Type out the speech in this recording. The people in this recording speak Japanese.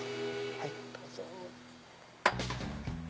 はいどうぞ。